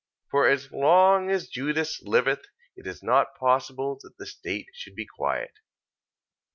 14:10. For as long as Judas liveth it is not possible that the state should be quiet.